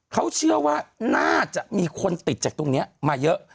เขาเชื่อว่าน่าจะมีคนติดจากตรงนี้มาเยอะ